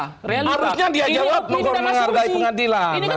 harusnya dia jawab menggoreng menghargai pengadilan